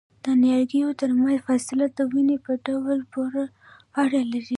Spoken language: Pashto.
د نیالګیو ترمنځ فاصله د ونې په ډول پورې اړه لري؟